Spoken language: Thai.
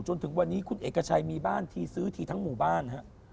จนถึงวันนี้คุณเอกชัยมีบ้านทีซื้อทีทั้งหมู่บ้านฮะ